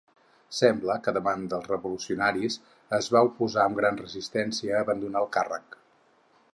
Sembla que davant dels revolucionaris es va oposar amb gran resistència a abandonar el càrrec.